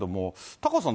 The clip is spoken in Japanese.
タカさん